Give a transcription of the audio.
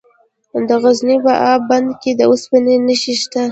د غزني په اب بند کې د اوسپنې نښې شته.